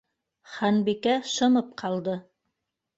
Ханбикә шымып ҡалды.